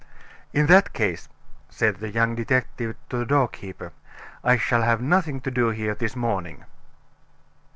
"In that case," said the young detective to the doorkeeper, "I shall have nothing to do here this morning."